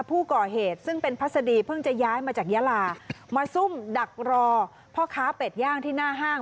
ผู้ก่อเหตุซึ่งเป็นพัศดีเพิ่งจะย้ายมาจากยาลามาซุ่มดักรอพ่อค้าเป็ดย่างที่หน้าห้าง